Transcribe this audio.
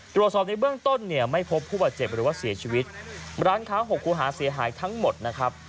ตรวจสอบในเบื้องต้นเนี่ยไม่พบผู้บาดเจ็บหรือว่าเสียชีวิตร้านค้าหกครูหาเสียหายทั้งหมดนะครับ